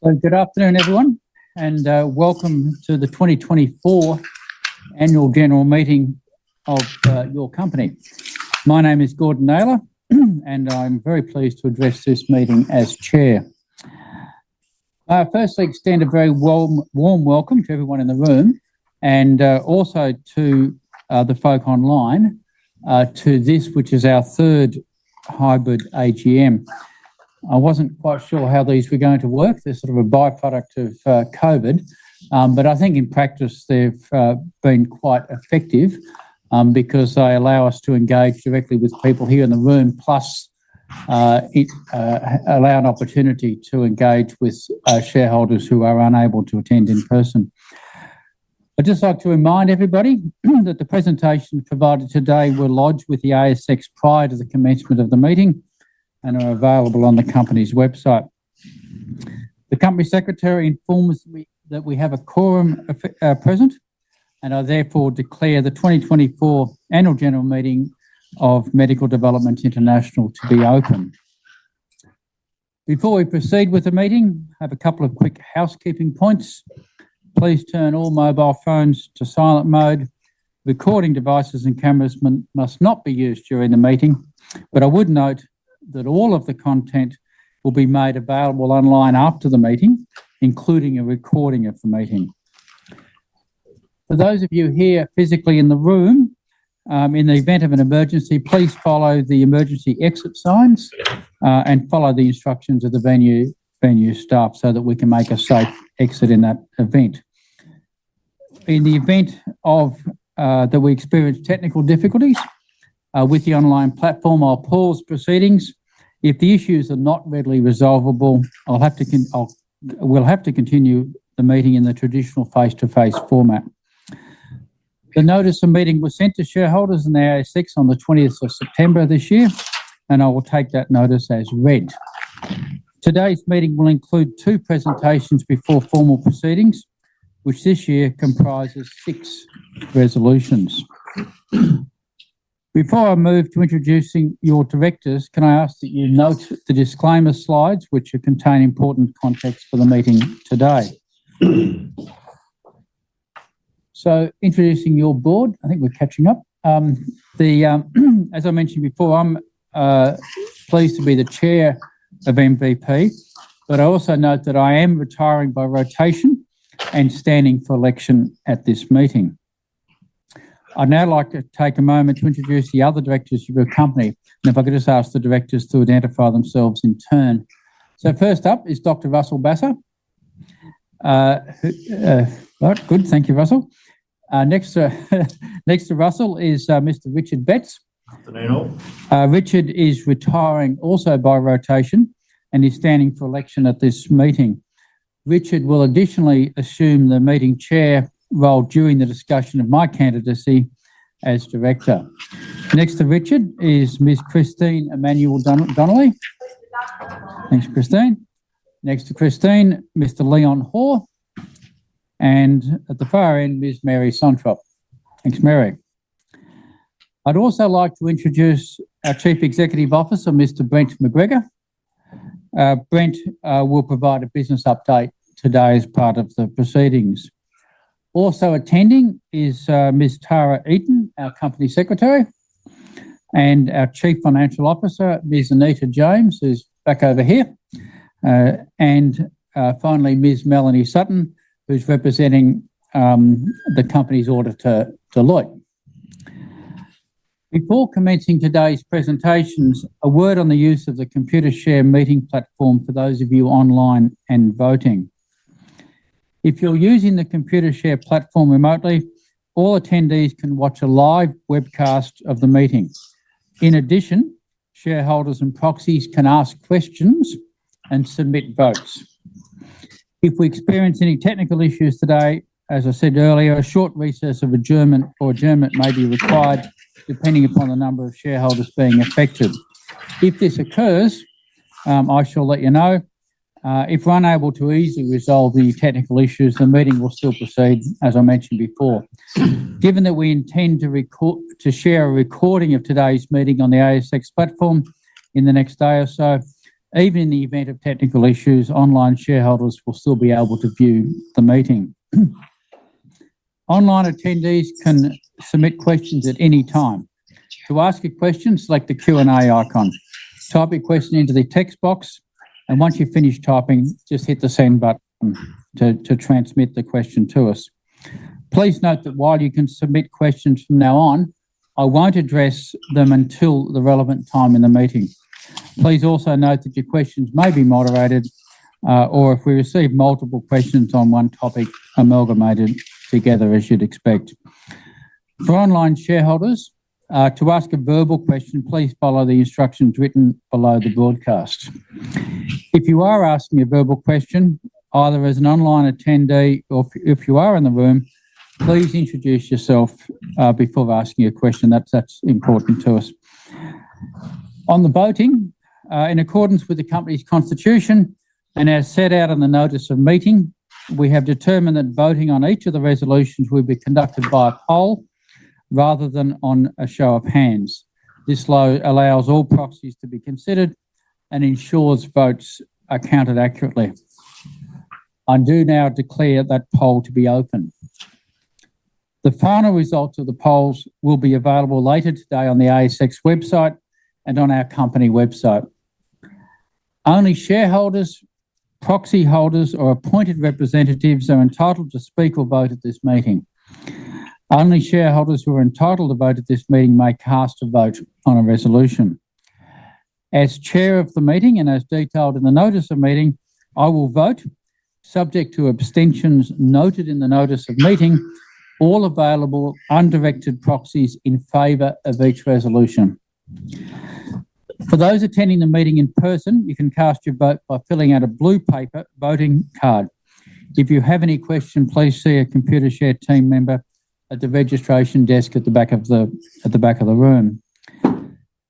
Well, good afternoon, everyone, welcome to the 2024 annual general meeting of your company. My name is Gordon Naylor, I'm very pleased to address this meeting as Chair. Firstly, extend a very warm, warm welcome to everyone in the room, also to the folk online to this, which is our third hybrid AGM. I wasn't quite sure how these were going to work. They're sort of a by-product of COVID, I think in practice, they've been quite effective because they allow us to engage directly with people here in the room, plus it allow an opportunity to engage with shareholders who are unable to attend in person. I'd just like to remind everybody, that the presentations provided today were lodged with the ASX prior to the commencement of the meeting and are available on the company's website. The company secretary informs me that we have a quorum present. I therefore declare the 2024 annual general meeting of Medical Developments International to be open. Before we proceed with the meeting, I have a couple of quick housekeeping points. Please turn all mobile phones to silent mode. Recording devices and cameras must not be used during the meeting. I would note that all of the content will be made available online after the meeting, including a recording of the meeting. For those of you here physically in the room, in the event of an emergency, please follow the emergency exit signs and follow the instructions of the venue, venue staff so that we can make a safe exit in that event. In the event that we experience technical difficulties with the online platform, I'll pause proceedings. If the issues are not readily resolvable, we'll have to continue the meeting in the traditional face-to-face format. The notice of meeting was sent to shareholders in the ASX on the 20th of September this year. I will take that notice as read. Today's meeting will include two presentations before formal proceedings, which this year comprises six resolutions. Before I move to introducing your directors, can I ask that you note the disclaimer slides, which contain important context for the meeting today? Introducing your board, I think we're catching up. As I mentioned before, I'm pleased to be the Chair of MVP, but I also note that I am retiring by rotation and standing for election at this meeting. I'd now like to take a moment to introduce the other directors of the company. If I could just ask the directors to identify themselves in turn. First up is Dr. Russell Basser. Well, good. Thank you, Russell. Next, next to Russell is Mr. Richard Betts. Afternoon, all. Richard is retiring also by rotation, and he's standing for election at this meeting. Richard will additionally assume the meeting chair role during the discussion of my candidacy as director. Next to Richard is Ms. Christine Emmanuel-Donnelly. Thanks, Christine. Next to Christine, Mr. Leon Hoare, and at the far end, Ms. Mary Sontrop. Thanks, Mary. I'd also like to introduce our Chief Executive Officer, Mr. Brent MacGregor. Brent will provide a business update today as part of the proceedings. Also attending is Ms. Tara Eaton, our Company Secretary, and our Chief Financial Officer, Ms. Anita James, who's back over here. Finally, Ms. Melanie Sutton, who's representing the company's auditor, Deloitte. Before commencing today's presentations, a word on the use of the Computershare meeting platform for those of you online and voting. If you're using the Computershare platform remotely, all attendees can watch a live webcast of the meeting. In addition, shareholders and proxies can ask questions and submit votes. If we experience any technical issues today, as I said earlier, a short recess of adjournment or adjournment may be required depending upon the number of shareholders being affected. If this occurs, I shall let you know. If we're unable to easily resolve the technical issues, the meeting will still proceed, as I mentioned before. Given that we intend to record to share a recording of today's meeting on the ASX platform in the next day or so, even in the event of technical issues, online shareholders will still be able to view the meeting. Online attendees can submit questions at any time. To ask a question, select the Q&A icon. Type your question into the text box, and once you've finished typing, just hit the send button to transmit the question to us. Please note that while you can submit questions from now on, I won't address them until the relevant time in the meeting. Please also note that your questions may be moderated, or if we receive multiple questions on one topic, amalgamated together, as you'd expect. For online shareholders, to ask a verbal question, please follow the instructions written below the broadcast. If you are asking a verbal question, either as an online attendee or if you are in the room, please introduce yourself, before asking a question. That's, that's important to us. On the voting, in accordance with the company's constitution and as set out in the notice of meeting, we have determined that voting on each of the resolutions will be conducted by a poll rather than on a show of hands. This law allows all proxies to be considered and ensures votes are counted accurately. I do now declare that poll to be open. The final results of the polls will be available later today on the ASX website and on our company website. Only shareholders, proxy holders, or appointed representatives are entitled to speak or vote at this meeting. Only shareholders who are entitled to vote at this meeting may cast a vote on a resolution. As chair of the meeting, and as detailed in the notice of meeting, I will vote, subject to abstentions noted in the notice of meeting, all available undirected proxies in favor of each resolution. For those attending the meeting in person, you can cast your vote by filling out a blue paper voting card. If you have any question, please see a Computershare team member at the registration desk at the back of the room.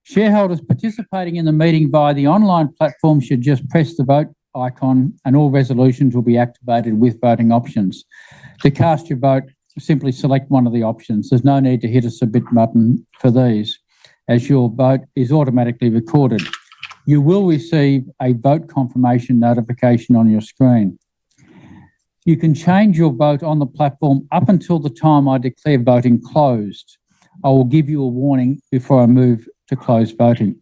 Shareholders participating in the meeting via the online platform should just press the vote icon. All resolutions will be activated with voting options. To cast your vote, simply select one of the options. There's no need to hit a submit button for these, as your vote is automatically recorded. You will receive a vote confirmation notification on your screen. You can change your vote on the platform up until the time I declare voting closed. I will give you a warning before I move to close voting.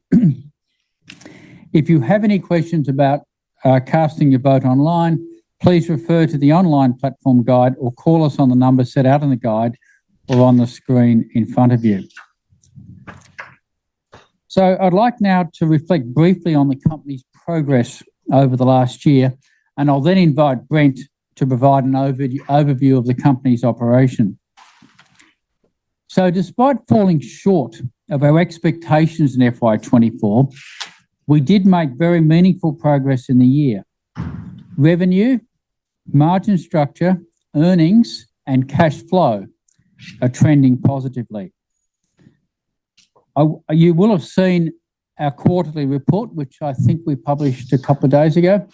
If you have any questions about casting your vote online, please refer to the online platform guide or call us on the number set out in the guide or on the screen in front of you. I'd like now to reflect briefly on the company's progress over the last year, and I'll then invite Brent to provide an overview of the company's operation. Despite falling short of our expectations in FY 2024, we did make very meaningful progress in the year. Revenue, margin structure, earnings, and cash flow are trending positively. You will have seen our quarterly report, which I think we published a couple of days ago,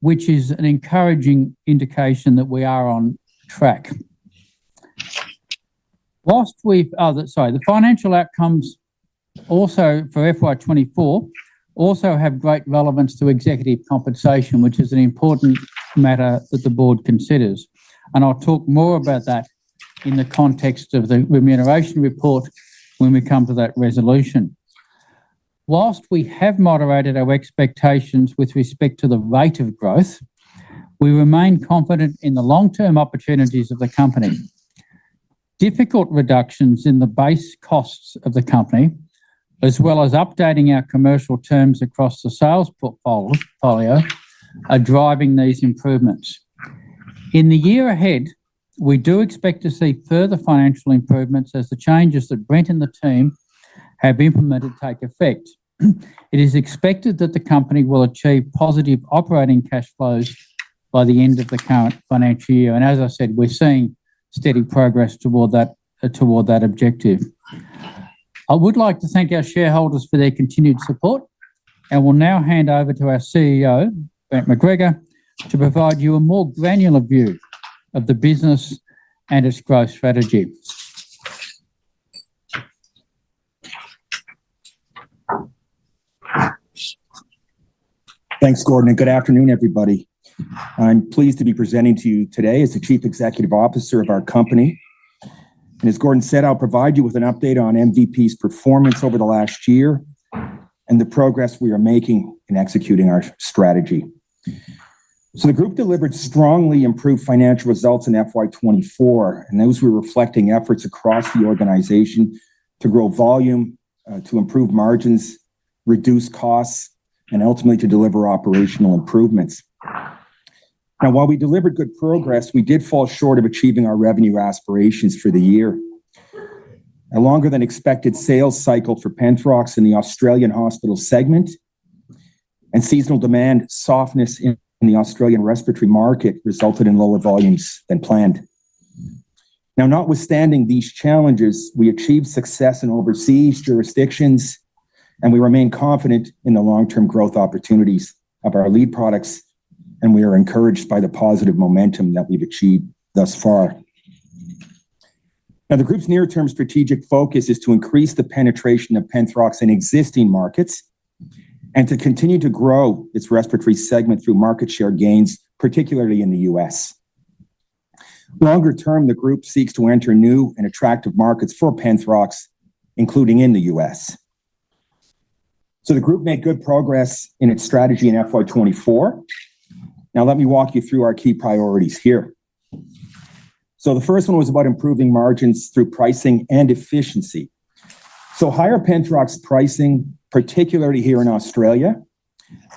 which is an encouraging indication that we are on track. Whilst we've... Sorry, the financial outcomes also for FY 2024 also have great relevance to executive compensation, which is an important matter that the board considers, and I'll talk more about that in the context of the remuneration report when we come to that resolution. Whilst we have moderated our expectations with respect to the rate of growth, we remain confident in the long-term opportunities of the company. Difficult reductions in the base costs of the company, as well as updating our commercial terms across the sales portfolio, are driving these improvements. In the year ahead, we do expect to see further financial improvements as the changes that Brent and the team have implemented take effect. It is expected that the company will achieve positive operating cash flows by the end of the current financial year, and as I said, we're seeing steady progress toward that, toward that objective. I would like to thank our shareholders for their continued support, and will now hand over to our CEO, Brent MacGregor, to provide you a more granular view of the business and its growth strategy. Thanks, Gordon, and good afternoon, everybody. I'm pleased to be presenting to you today as the Chief Executive Officer of our company. As Gordon said, I'll provide you with an update on MVP's performance over the last year and the progress we are making in executing our strategy. The group delivered strongly improved financial results in FY 2024, and those were reflecting efforts across the organization to grow volume, to improve margins, reduce costs, and ultimately to deliver operational improvements. While we delivered good progress, we did fall short of achieving our revenue aspirations for the year. A longer-than-expected sales cycle for Penthrox in the Australian hospital segment and seasonal demand softness in the Australian respiratory market resulted in lower volumes than planned. Notwithstanding these challenges, we achieved success in overseas jurisdictions, and we remain confident in the long-term growth opportunities of our lead products, and we are encouraged by the positive momentum that we've achieved thus far. The group's near-term strategic focus is to increase the penetration of Penthrox in existing markets and to continue to grow its respiratory segment through market share gains, particularly in the U.S. Longer term, the group seeks to enter new and attractive markets for Penthrox, including in the U.S. The group made good progress in its strategy in FY 2024. Let me walk you through our key priorities here. The first one was about improving margins through pricing and efficiency. Higher Penthrox pricing, particularly here in Australia,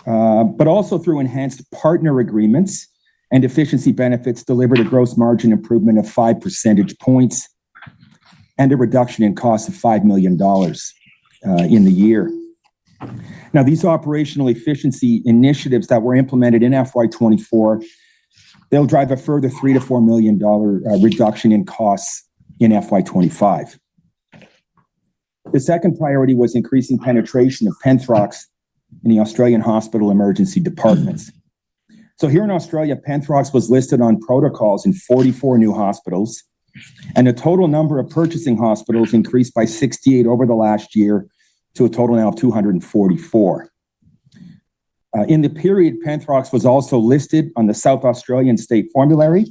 but also through enhanced partner agreements and efficiency benefits, delivered a gross margin improvement of 5 percentage points and a reduction in cost of 5 million dollars in the year. These operational efficiency initiatives that were implemented in FY 2024, they'll drive a further 3 million-4 million dollar reduction in costs in FY 2025. The second priority was increasing penetration of Penthrox in the Australian hospital emergency departments. Here in Australia, Penthrox was listed on protocols in 44 new hospitals, and the total number of purchasing hospitals increased by 68 over the last year to a total now of 244. In the period, Penthrox was also listed on the South Australian Medicines Formulary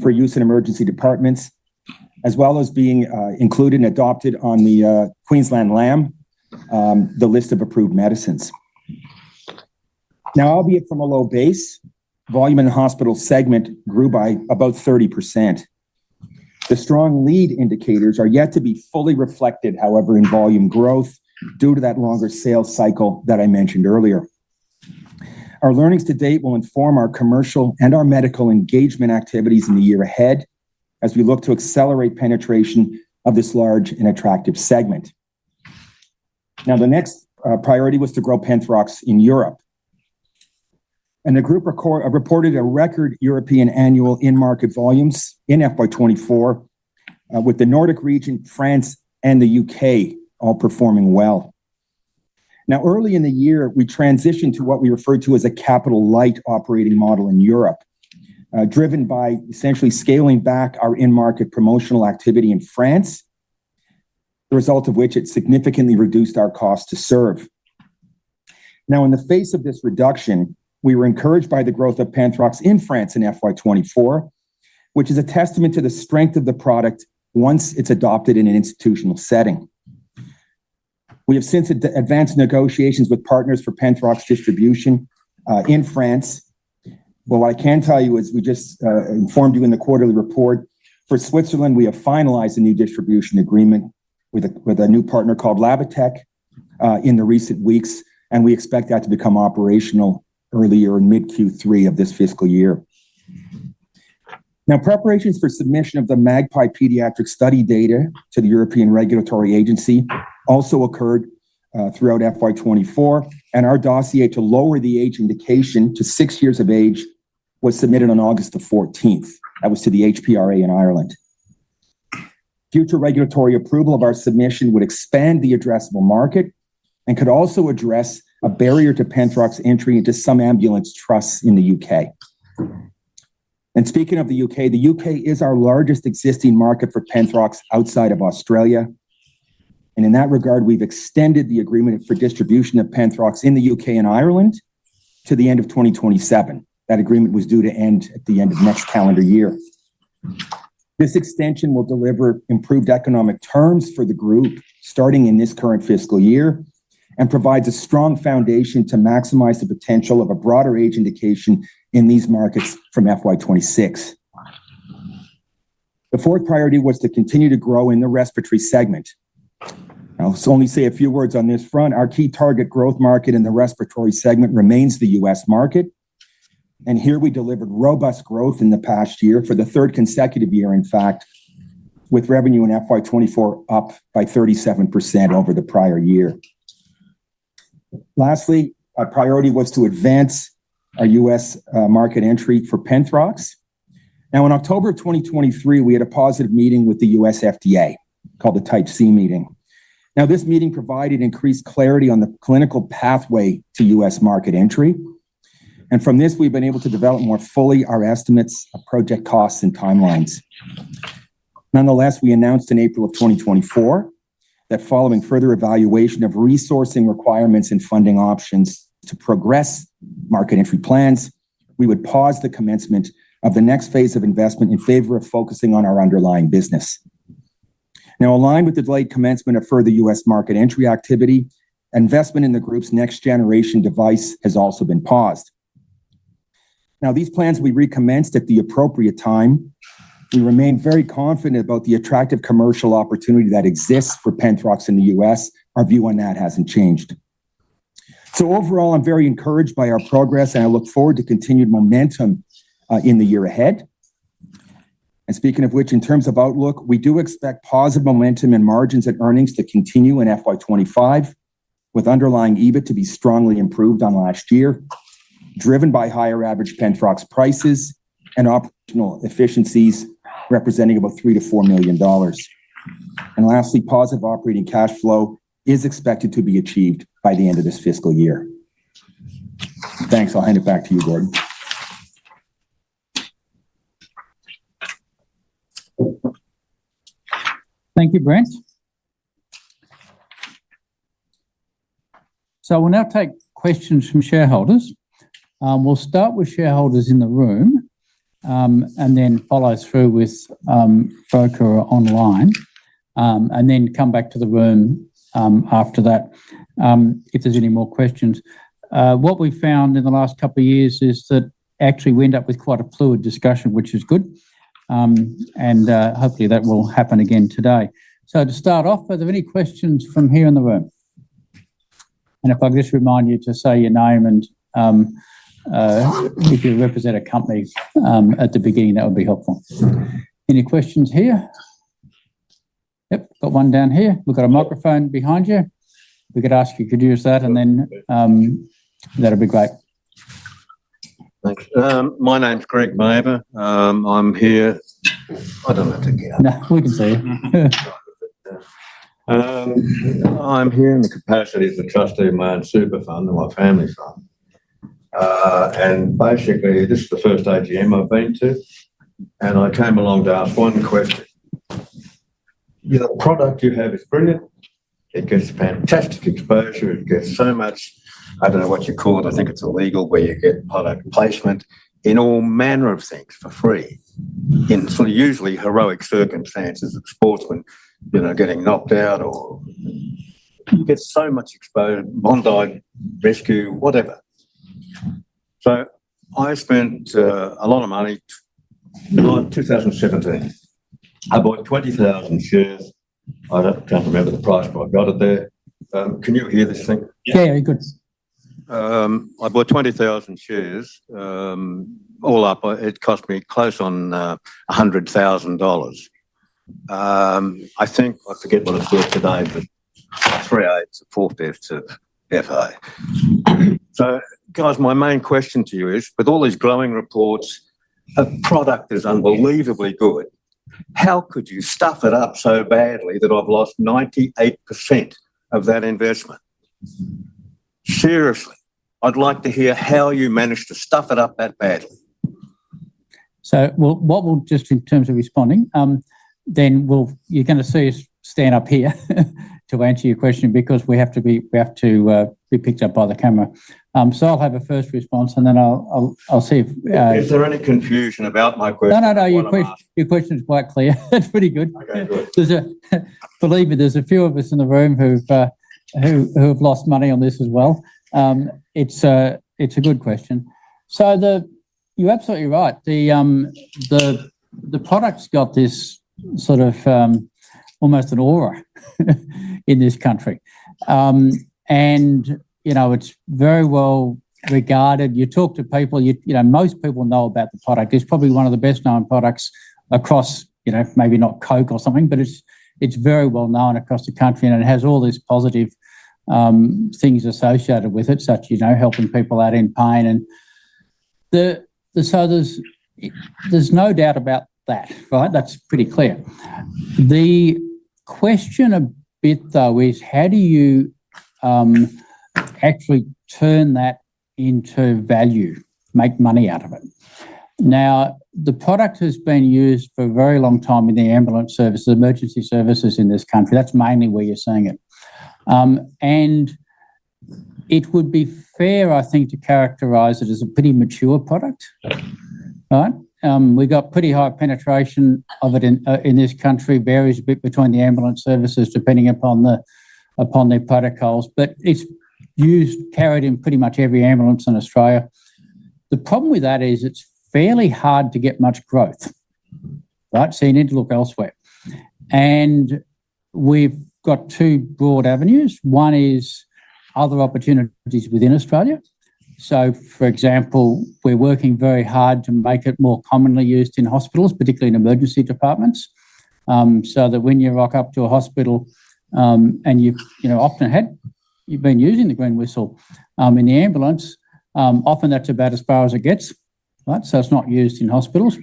for use in emergency departments, as well as being included and adopted on the Queensland LAM, the list of approved medicines. Albeit from a low base, volume in the hospital segment grew by about 30%. The strong lead indicators are yet to be fully reflected, however, in volume growth, due to that longer sales cycle that I mentioned earlier. Our learnings to date will inform our commercial and our medical engagement activities in the year ahead, as we look to accelerate penetration of this large and attractive segment. The next priority was to grow Penthrox in Europe. The group reported a record European annual in-market volumes in FY 2024, with the Nordic region, France, and the U.K. all performing well. Early in the year, we transitioned to what we referred to as a capital-light operating model in Europe, driven by essentially scaling back our in-market promotional activity in France, the result of which it significantly reduced our cost to serve. In the face of this reduction, we were encouraged by the growth of Penthrox in France in FY 2024, which is a testament to the strength of the product once it's adopted in an institutional setting. We have since advanced negotiations with partners for Penthrox distribution in France. What I can tell you is, we just informed you in the quarterly report, for Switzerland, we have finalized a new distribution agreement with a new partner called Labatec in the recent weeks, and we expect that to become operational early or in mid-Q3 of this fiscal year. Preparations for submission of the MAGPIE pediatric study data to the European Regulatory Agency also occurred throughout FY 2024, and our dossier to lower the age indication to 6 years of age was submitted on August 14th. That was to the HPRA in Ireland. Due to regulatory approval of our submission, would expand the addressable market and could also address a barrier to Penthrox entry into some ambulance trusts in the U.K. Speaking of the U.K., the U.K. is our largest existing market for Penthrox outside of Australia, and in that regard, we've extended the agreement for distribution of Penthrox in the U.K. and Ireland to the end of 2027. That agreement was due to end at the end of next calendar year. This extension will deliver improved economic terms for the group, starting in this current fiscal year, and provides a strong foundation to maximize the potential of a broader age indication in these markets from FY 2026. The fourth priority was to continue to grow in the Respiratory Segment. I'll only say a few words on this front. Our key target growth market in the Respiratory Segment remains the U.S. market, and here we delivered robust growth in the past year for the third consecutive year, in fact, with revenue in FY 2024 up by 37% over the prior year. Lastly, our priority was to advance a U.S. market entry for Penthrox. Now, in October of 2023, we had a positive meeting with the US FDA, called the Type C meeting. This meeting provided increased clarity on the clinical pathway to US market entry, and from this, we've been able to develop more fully our estimates of project costs and timelines. Nonetheless, we announced in April of 2024, that following further evaluation of resourcing requirements and funding options to progress market entry plans, we would pause the commencement of the next phase of investment in favor of focusing on our underlying business. Aligned with the delayed commencement of further US market entry activity, investment in the group's next generation device has also been paused. These plans will be recommenced at the appropriate time. We remain very confident about the attractive commercial opportunity that exists for Penthrox in the U.S. Our view on that hasn't changed. Overall, I'm very encouraged by our progress, and I look forward to continued momentum in the year ahead. Speaking of which, in terms of outlook, we do expect positive momentum in margins and earnings to continue in FY 2025, with underlying EBITA to be strongly improved on last year, driven by higher average Penthrox prices and operational efficiencies, representing about 3 million-4 million dollars. Lastly, positive operating cash flow is expected to be achieved by the end of this fiscal year. Thanks. I'll hand it back to you, Gordon. We'll now take questions from shareholders. We'll start with shareholders in the room, and then follow through with broker online, and then come back to the room after that, if there's any more questions. What we found in the last couple of years is that actually we end up with quite a fluid discussion, which is good, and hopefully, that will happen again today. To start off, are there any questions from here in the room? If I could just remind you to say your name and, if you represent a company, at the beginning, that would be helpful. Any questions here? Yep, got one down here. We've got a microphone behind you. We could ask you could use that, and then, that'd be great. Thanks. My name's Greg Maber. I'm here... I don't have to get up. No, we can see you. I'm here in the capacity as the trustee of my own super fund and my family's fund. Basically, this is the first AGM I've been to, and I came along to ask one question. The product you have is brilliant. It gets fantastic exposure, it gets so much... I don't know what you call it, I think it's illegal, where you get product placement in all manner of things for free, in sort of usually heroic circumstances of sportsmen, you know, getting knocked out or you get so much exposure, Bondi Rescue, whatever. I spent a lot of money. In 2017, I bought 20,000 shares. I don't, can't remember the price, but I got it there. Can you hear this thing? Yeah. Yeah, good. I bought 20,000 shares. All up, it cost me close on 100,000 dollars. I think I forget what it's worth today, but 3/8 or 4/5 of FA. Guys, my main question to you is: with all these glowing reports, the product is unbelievably good, how could you stuff it up so badly that I've lost 98% of that investment? Seriously, I'd like to hear how you managed to stuff it up that badly. Well, just in terms of responding, you're gonna see us stand up here to answer your question, because we have to be, we have to be picked up by the camera. I'll have a first response, and then I'll, I'll, I'll see if. Is there any confusion about my question? No, no, no. What I'm asking. Your question, your question is quite clear. It's pretty good. Okay, good. Believe me, there's a few of us in the room who've, who, who have lost money on this as well. It's a, it's a good question. You're absolutely right. The, the product's got this sort of, almost an aura in this country. You know, it's very well regarded. You talk to people, you, you know, most people know about the product. It's probably one of the best-known products across, you know, maybe not Coke or something, but it's, it's very well known across the country, and it has all these positive, things associated with it, such, you know, helping people out in pain and... There's, there's no doubt about that, right? That's pretty clear. The question a bit, though, is: how do you, actually turn that into value, make money out of it? The product has been used for a very long time in the ambulance service, the emergency services in this country. That's mainly where you're seeing it. It would be fair, I think, to characterize it as a pretty mature product. Yeah. Right? We've got pretty high penetration of it in this country. Varies a bit between the ambulance services, depending upon their protocols, but it's used, carried in pretty much every ambulance in Australia. The problem with that is it's fairly hard to get much growth, right? You need to look elsewhere, and we've got two broad avenues. One is other opportunities within Australia. For example, we're working very hard to make it more commonly used in hospitals, particularly in emergency departments. So that when you rock up to a hospital, and you've, you know, often been using the Green Whistle, in the ambulance, often that's about as far as it gets, right? It's not used in hospitals.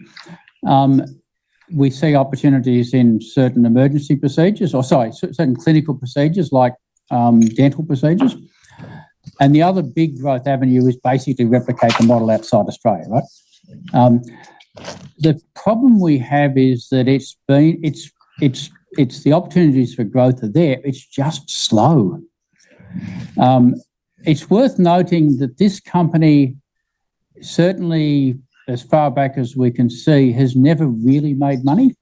We see opportunities in certain emergency procedures, or, sorry, certain clinical procedures like dental procedures. The other big growth avenue is basically replicate the model outside Australia, right? The problem we have is that it's been... the opportunities for growth are there, it's just slow. It's worth noting that this company, certainly as far back as we can see, has never really made money.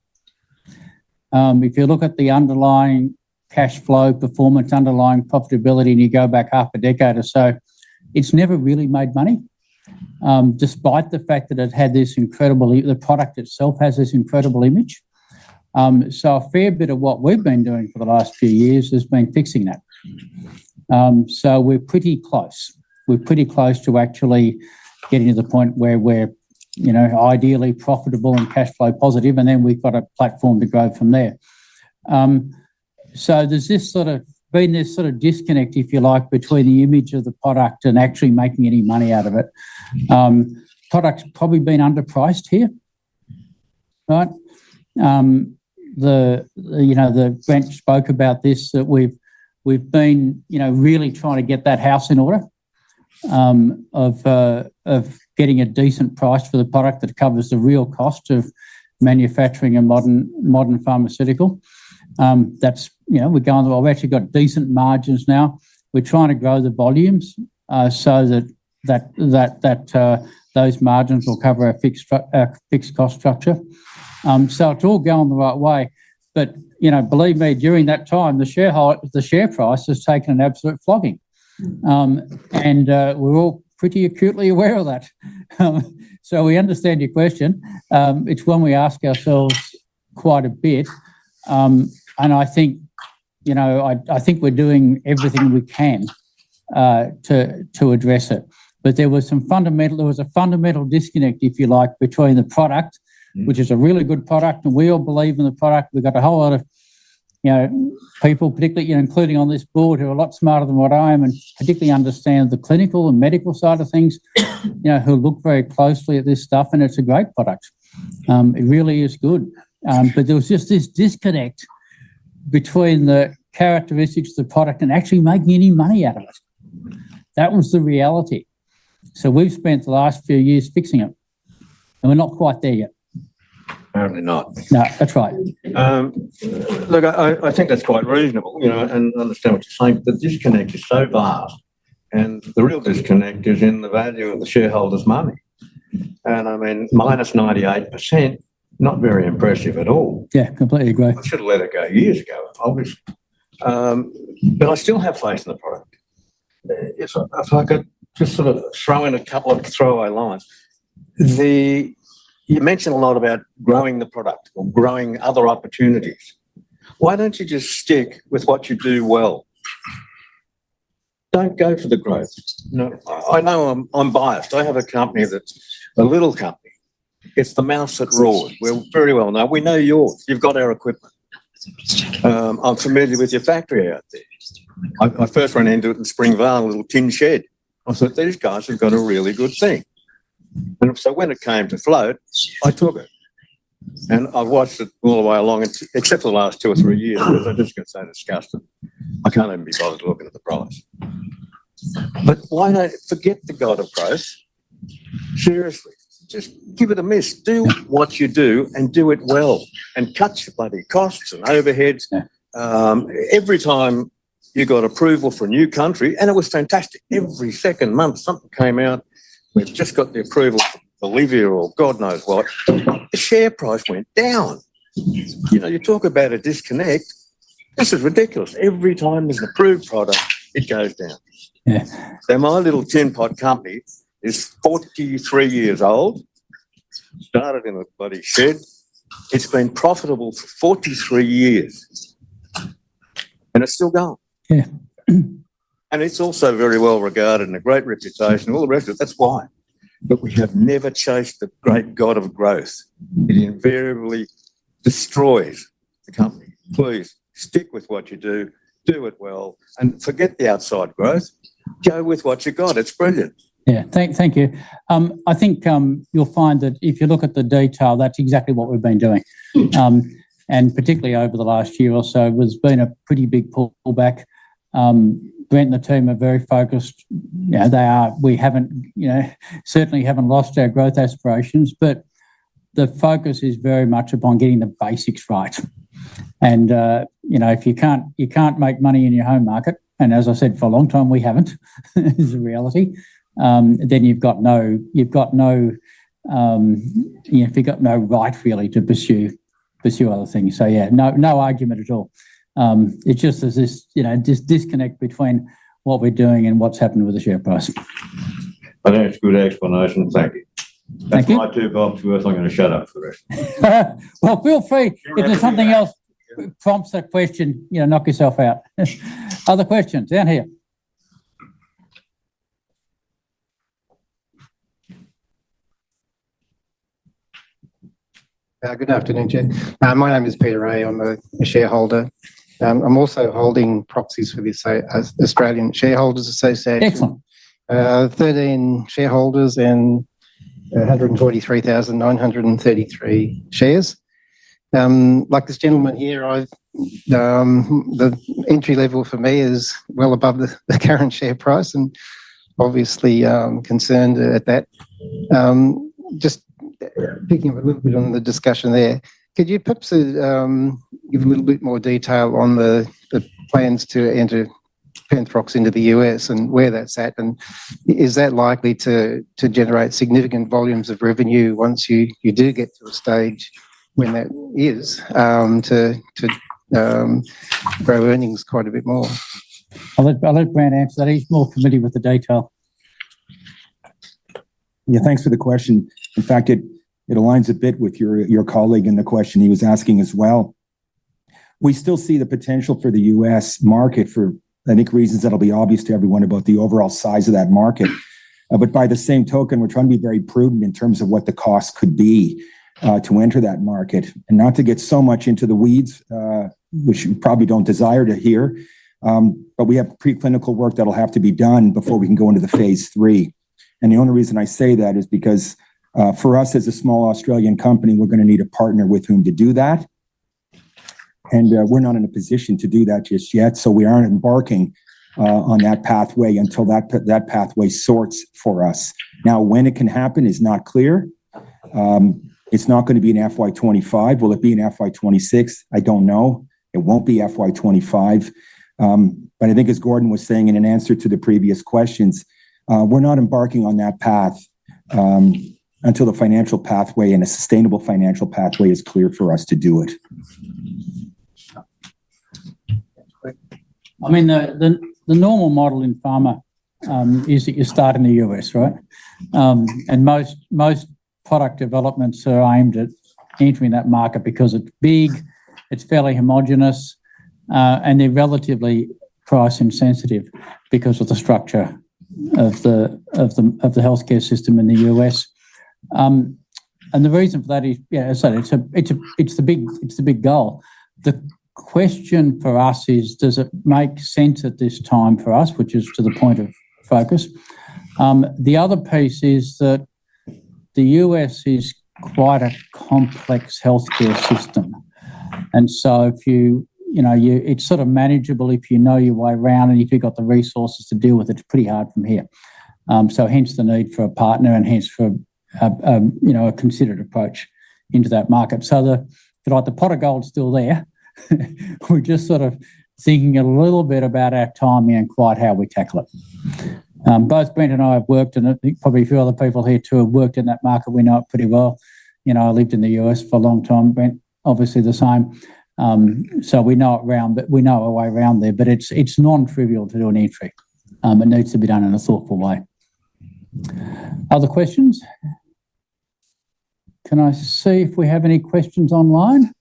If you look at the underlying cash flow performance, underlying profitability, and you go back half a decade or so, it's never really made money, despite the fact that it had this incredible... The product itself has this incredible image. So a fair bit of what we've been doing for the last few years has been fixing that. So we're pretty close. We're pretty close to actually getting to the point where we're, you know, ideally profitable and cash flow positive, and then we've got a platform to grow from there. There's this sort of, been this sort of disconnect, if you like, between the image of the product and actually making any money out of it. Product's probably been underpriced here, right? The, you know, the bench spoke about this, that we've, we've been, you know, really trying to get that house in order, of getting a decent price for the product that covers the real cost of manufacturing a modern, modern pharmaceutical. That's, you know, we're going... Well, we've actually got decent margins now. We're trying to grow the volumes, so that, that, that, that, those margins will cover our fixed struc- fixed cost structure. It's all going the right way. You know, believe me, during that time, the share height- the share price has taken an absolute flogging. We're all pretty acutely aware of that. We understand your question. It's one we ask ourselves quite a bit. I think, you know, I, I think we're doing everything we can, to, to address it. There was a fundamental disconnect, if you like, between the product- Mm.... which is a really good product, and we all believe in the product. We've got a whole lot of, you know, people, particularly, you know, including on this board, who are a lot smarter than what I am and particularly understand the clinical and medical side of things, you know, who look very closely at this stuff, and it's a great product. It really is good. There was just this disconnect between the characteristics of the product and actually making any money out of it. That was the reality. We've spent the last few years fixing it, and we're not quite there yet. Apparently not. No, that's right. Look, I, I, I think that's quite reasonable, you know, and I understand what you're saying, but the disconnect is so vast, and the real disconnect is in the value of the shareholders' money. I mean, -98%, not very impressive at all. Yeah, completely agree. I should've let it go years ago, obviously. I still have faith in the product. If I, if I could just sort of throw in a couple of throwaway lines. You mentioned a lot about growing the product or growing other opportunities. Why don't you just stick with what you do well? Don't go for the growth. You know, I know I'm, I'm biased. I have a company that's a little company. It's the mouse that roared. We're very well known. We know yours. You've got our equipment. I'm familiar with your factory out there. I, I first ran into it in Springvale, a little tin shed. I said, "These guys have got a really good thing." So when it came to float, I took it, and I've watched it all the way along, except for the last two or three years, because I just get so disgusted. I can't even be bothered looking at the price. Why not forget the God of growth? Seriously, just give it a miss. Do what you do, and do it well, and cut your bloody costs and overheads. Yeah. Every time you got approval for a new country, and it was fantastic, every second month, something came out. We've just got the approval from Bolivia or God knows what, the share price went down. You know, you talk about a disconnect, this is ridiculous. Every time there's an approved product, it goes down. Yeah. My little tin pot company is 43 years old, started in a bloody shed. It's been profitable for 43 years, and it's still going. Yeah. It's also very well-regarded and a great reputation, all the rest of it. That's why. We have never chased the great God of growth. It invariably destroys the company. Please, stick with what you do, do it well, and forget the outside growth. Go with what you've got. It's brilliant. Yeah. Thank, thank you. I think, you know, you'll find that if you look at the detail, that's exactly what we've been doing. Particularly over the last year or so, there's been a pretty big pullback. Brent and the team are very focused. You know, they are... We haven't, you know, certainly haven't lost our growth aspirations, but the focus is very much upon getting the basics right. You know, if you can't, you can't make money in your home market, and as I said, for a long time, we haven't, is the reality, then you've got no, you've got no, you know, you've got no right really to pursue, pursue other things. Yeah, no, no argument at all. It's just there's this, you know, this disconnect between what we're doing and what's happening with the share price. I think it's a good explanation. Thank you. Thank you. I too, off to earth, I'm gonna shut up for the rest. Well, feel free-if there's something else that prompts that question, you know, knock yourself out. Other questions? Down here. Good afternoon, Chair. My name is Peter Ray. I'm a shareholder. I'm also holding proxies for the Australian Shareholders' Association. Excellent. Thirteen shareholders and 143,933 shares. Like this gentleman here, I've, the entry level for me is well above the, the current share price, and obviously, I'm concerned at that. Just picking up a little bit on the discussion there, could you perhaps, give a little bit more detail on the, the plans to enter Penthrox into the U.S. and where that's at? Is that likely to, to generate significant volumes of revenue once you, you do get to a stage when that is, to, to, grow earnings quite a bit more? I'll let Brent answer that. He's more familiar with the detail. Yeah, thanks for the question. In fact, it, it aligns a bit with your, your colleague and the question he was asking as well. We still see the potential for the US market, for I think, reasons that'll be obvious to everyone about the overall size of that market. By the same token, we're trying to be very prudent in terms of what the cost could be to enter that market. Not to get so much into the weeds, which you probably don't desire to hear, but we have preclinical work that'll have to be done before we can go into the phase III. The only reason I say that is because for us, as a small Australian company, we're gonna need a partner with whom to do that, and we're not in a position to do that just yet, so we aren't embarking on that pathway until that pathway sorts for us. Now, when it can happen is not clear. It's not gonna be in FY 25. Will it be in FY 26? I don't know. It won't be FY 25. I think as Gordon was saying in an answer to the previous questions, we're not embarking on that path until the financial pathway and a sustainable financial pathway is clear for us to do it. I mean, the, the, the normal model in pharma is that you start in the U.S., right? Most, most product developments are aimed at entering that market because it's big, it's fairly homogeneous, and they're relatively price insensitive because of the structure of the, of the, of the healthcare system in the U.S. The reason for that is, yeah, as I said, it's a, it's a, it's the big, it's the big goal. The question for us is: does it make sense at this time for us, which is to the point of focus-... The other piece is that the U.S. is quite a complex healthcare system. So if you, you know, It's sort of manageable if you know your way around, and if you've got the resources to deal with it. It's pretty hard from here. Hence the need for a partner, and hence for a, a, you know, a considered approach into that market. The, the right, the pot of gold's still there. We're just sort of thinking a little bit about our timing and quite how we tackle it. Both Brent and I have worked, and I think probably a few other people here too, have worked in that market. We know it pretty well. You know, I lived in the U.S. for a long time. Brent, obviously the same. We know it round, but we know our way around there, but it's, it's non-trivial to do an entry. It needs to be done in a thoughtful way. Other questions? Can I see if we have any questions online?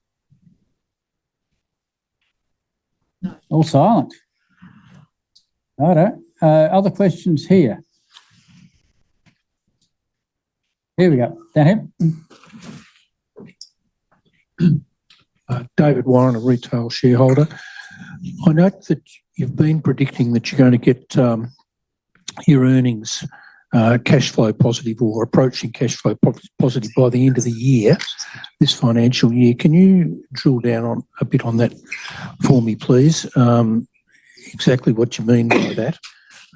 No. All silent. Righto. Other questions here? Here we go. Down here. David Warren, a retail shareholder. I note that you've been predicting that you're gonna get your earnings cashflow positive or approaching cashflow pos-positive by the end of the year, this financial year. Can you drill down on, a bit on that for me, please? Exactly what you mean by that.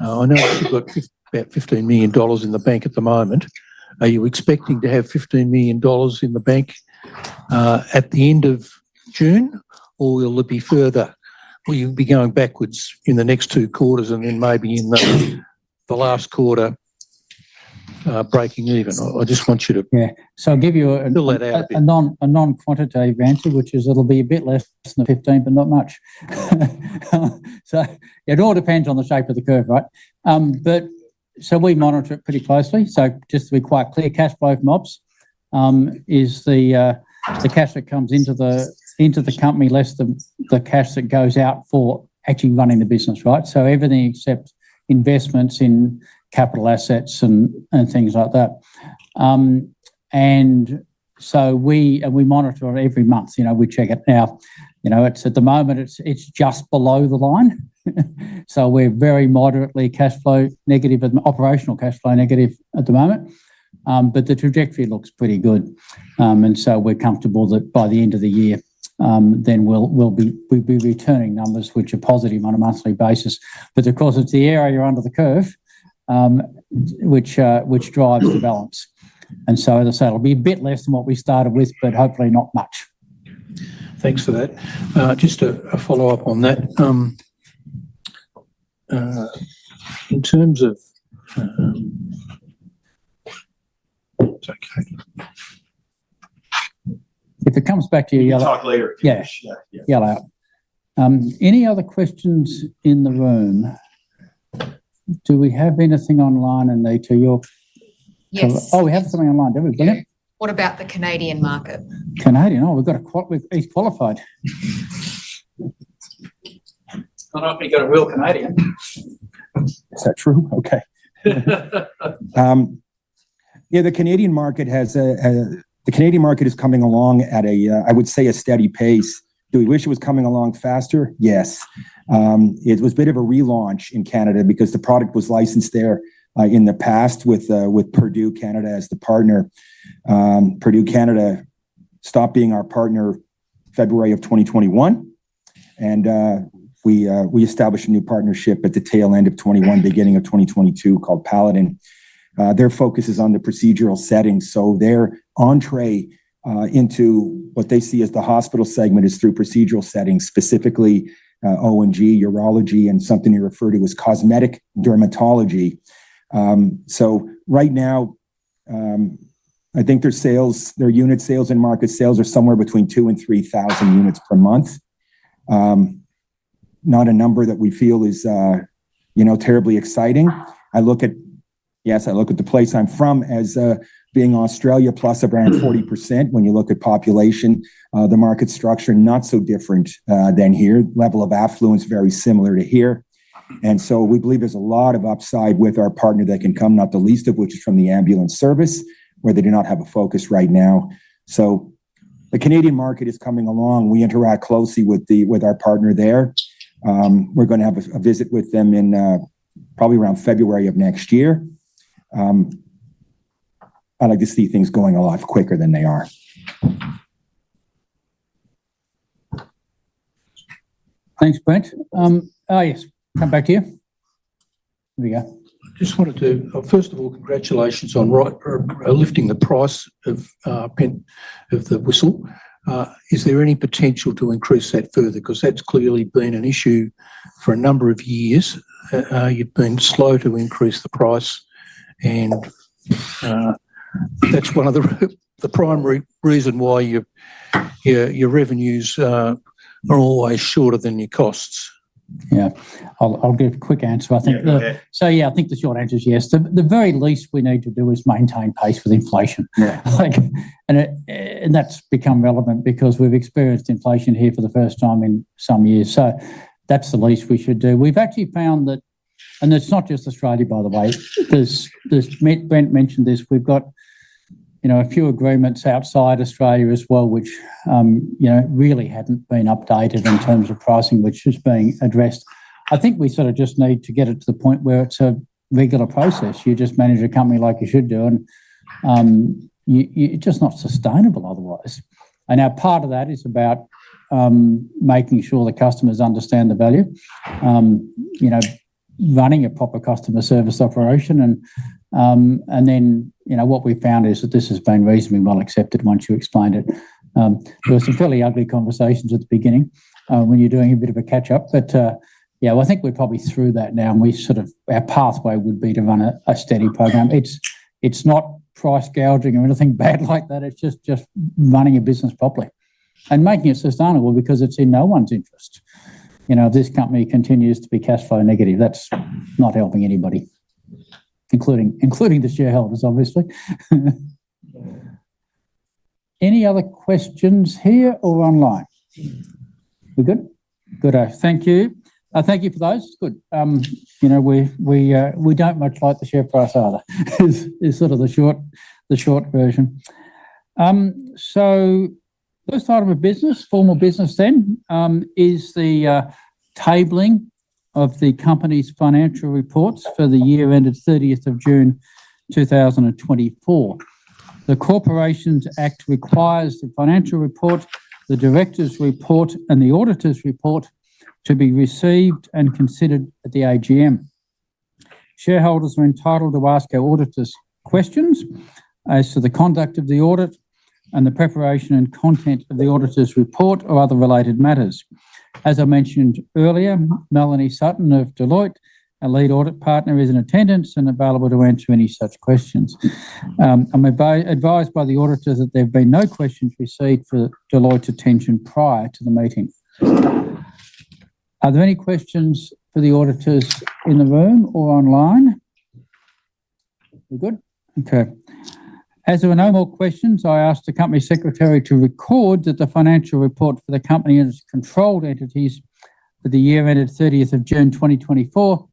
I know you've got about 15 million dollars in the bank at the moment. Are you expecting to have 15 million dollars in the bank at the end of June, or will it be further? Will you be going backwards in the next two quarters and then maybe in the, the last quarter, breaking even? I, I just want you to- Yeah. I'll give you. Fill that out a bit.... a non-quantitative answer, which is it'll be a bit less than the 15, but not much. It all depends on the shape of the curve, right? So we monitor it pretty closely. Just to be quite clear, cash flow from ops is the cash that comes into the company, less the cash that goes out for actually running the business, right? Everything except investments in capital assets and things like that. So we, and we monitor it every month, you know, we check it. Now, you know, it's, at the moment, it's, it's just below the line. We're very moderately cashflow negative, but operational cashflow negative at the moment. The trajectory looks pretty good. We're comfortable that by the end of the year, then we'll, we'll be, we'll be returning numbers which are positive on a monthly basis. Of course, it's the area under the curve, which drives the balance. As I say, it'll be a bit less than what we started with, but hopefully not much. Thanks for that. Just a, a follow-up on that. In terms of... It's okay. If it comes back to you, yell out. We'll talk later. Yeah. Sure, yeah. Yell out. Any other questions in the room? Do we have anything online, Anita, you're-? Yes. Oh, we have something online, don't we? Yeah. What about the Canadian market? Canadian? Oh, we've got a. He's qualified. I don't know if we've got a real Canadian. Is that true? Okay. Yeah, the Canadian market is coming along at a, I would say, a steady pace. Do we wish it was coming along faster? Yes. It was a bit of a relaunch in Canada because the product was licensed there in the past with Purdue Canada as the partner. Purdue Canada stopped being our partner February of 2021, and we established a new partnership at the tail end of 2021, beginning of 2022, called Paladin. Their focus is on the procedural setting, so their entrée into what they see as the hospital segment is through procedural settings, specifically, OB/GYN, urology, and something you refer to as cosmetic dermatology. Right now, I think their sales, their unit sales and market sales are somewhere between 2,000-3,000 units per month. Not a number that we feel is, you know, terribly exciting. I look at... Yes, I look at the place I'm from as being Australia, plus around 40%. When you look at population, the market structure, not so different than here. Level of affluence, very similar to here. We believe there's a lot of upside with our partner that can come, not the least of which is from the ambulance service, where they do not have a focus right now. The Canadian market is coming along. We interact closely with the, with our partner there. We're gonna have a, a visit with them in probably around February of next year. I'd like to see things going a lot quicker than they are. Thanks, Brent. Yes, come back to you. Here we go. Just wanted to... First of all, congratulations on right, lifting the price of Brent, of the Whistle. Is there any potential to increase that further? 'Cause that's clearly been an issue for a number of years. You've been slow to increase the price, and that's one of the, the primary reason why your, your, your revenues are always shorter than your costs. Yeah. I'll give a quick answer. Yeah. Yeah, I think the short answer is yes. The very least we need to do is maintain pace with inflation. Yeah. Like, and it, and that's become relevant because we've experienced inflation here for the first time in some years, so that's the least we should do. We've actually found that. It's not just Australia, by the way. 'Cause, as Brent mentioned this, we've got, you know, a few agreements outside Australia as well, which, you know, really hadn't been updated in terms of pricing, which is being addressed. I think we sort of just need to get it to the point where it's a regular process. You just manage a company like you should do, and it's just not sustainable otherwise. Now part of that is about making sure the customers understand the value. You know, running a proper customer service operation. Then, you know, what we've found is that this has been reasonably well accepted once you explained it. There were some fairly ugly conversations at the beginning, when you're doing a bit of a catch-up. Yeah, well, I think we're probably through that now, and we sort of, our pathway would be to run a, a steady program. It's, it's not price gouging or anything bad like that, it's just, just running a business properly and making it sustainable because it's in no one's interest. You know, this company continues to be cash flow negative. That's not helping anybody, including, including the shareholders, obviously. Any other questions here or online? We're good. Good. Thank you. Thank you for those. Good. You know, we, we, we don't much like the share price either, is, is sort of the short, the short version. First item of business, formal business then, is the tabling of the company's financial reports for the year ended 30th of June, 2024. The Corporations Act requires the financial report, the directors' report, and the auditors' report to be received and considered at the AGM. Shareholders are entitled to ask our auditors questions as to the conduct of the audit and the preparation and content of the auditors' report or other related matters. As I mentioned earlier, Melanie Sutton of Deloitte, our Lead Audit Partner, is in attendance and available to answer any such questions. I'm advised by the auditors that there have been no questions received for Deloitte's attention prior to the meeting. Are there any questions for the auditors in the room or online? We're good? Okay. As there are no more questions, I ask the Company Secretary to record that the financial report for the company and its controlled entities for the year ended 30th of June 2024,